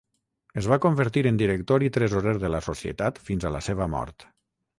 Es va convertir en director i tresorer de la societat fins a la seva mort.